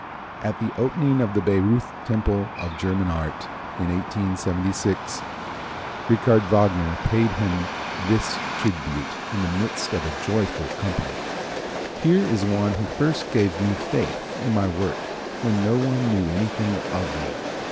At the opening of the Baireuth Temple of German Art, in 1876, Richard Wagner paid him this tribute in the midst of a joyful company: "Here is one who first gave me faith in my work when no one knew anything of me.